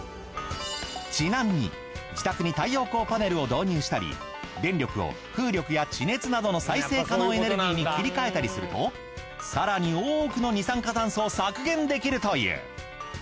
ちなみに自宅に太陽光パネルを導入したり電力を風力や地熱などの再生可能エネルギーに切り替えたりすると更に多くの二酸化炭素を削減できるという。